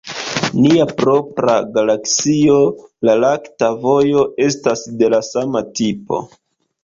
Nia propra galaksio, la lakta vojo, estas de la sama tipo.